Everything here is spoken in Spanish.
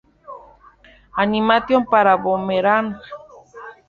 Animation para Boomerang.